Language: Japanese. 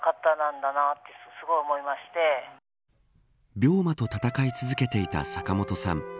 病魔と闘い続けていた坂本さん。